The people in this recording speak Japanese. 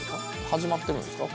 始まってるんですか？